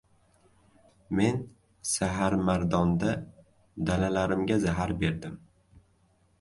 Men saharmardonda dalalarimga zahar berdim.